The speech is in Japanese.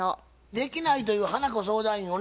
できないという花子相談員をね